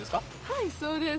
はい、そうです。